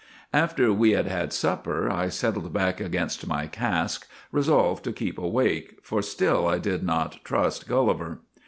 " After we had had supper, I settled back against my cask, resolved to keep awake, for still I did not trust Gulliver.